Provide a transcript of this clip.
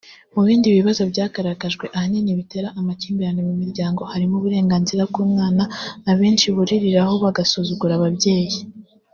Mu bindi bibazo byagaragajwe ahanini bitera amakimbirane mu miryango harimo uburenganzira bw’umwana abenshi buririraho bagasuzugura ababyeyi